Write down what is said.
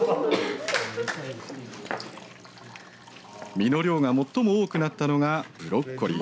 身の量が最も多くなったのがブロッコリー。